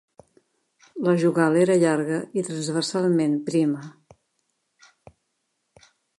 La jugal era llarga i transversalment prima.